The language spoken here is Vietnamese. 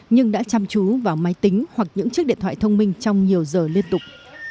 nhưng đã chăm chú vào máy tính hoặc những chiếc điện thoại thông minh trong nhiều giờ liên tục